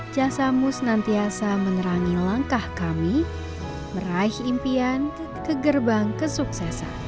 jasamu senantiasa menerangi langkah kami meraih impian kegerbang kesuksesan